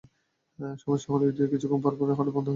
সমস্যা হলো এটি কিছুক্ষণ পরপর হঠাৎ বন্ধ হয়ে নিজে নিজে চালু হয়।